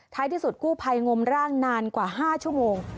ที่สุดกู้ภัยงมร่างนานกว่า๕ชั่วโมง